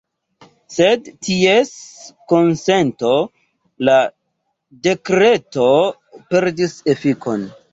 Sen ties konsento la dekreto perdis efikon.